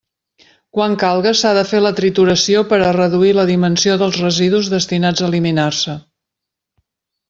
Quan calga, s'ha de fer la trituració per a reduir la dimensió dels residus destinats a eliminar-se.